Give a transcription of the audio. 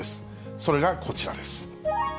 それがこちらです。